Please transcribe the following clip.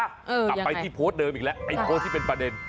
กลับไปที่โพสต์เดิมอีกแล้วไอ้โพสต์ที่เป็นประเด็น